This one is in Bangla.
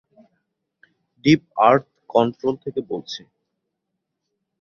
ডিপ আর্থ কন্ট্রোল থেকে বলছি।